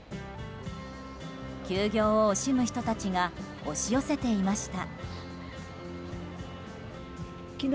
休業を惜しむ人たちが押し寄せていました。